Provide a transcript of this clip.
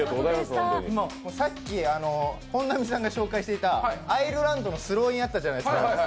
さっき本並さんが紹介していたアイスランドのスローインやってたじゃないですか。